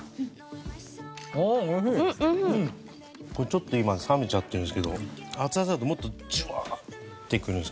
ちょっと今冷めちゃってるんですけど熱々だともっとジュワっていくんですよね。